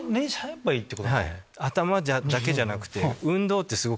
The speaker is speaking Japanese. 頭だけじゃなくて。